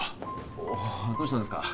おおどうしたんですか？